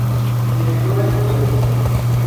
Directora y guionista.